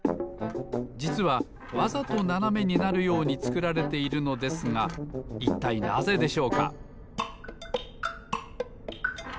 じつはわざとななめになるようにつくられているのですがいったいなぜでしょうか？